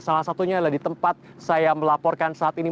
salah satunya adalah di tempat saya melaporkan saat ini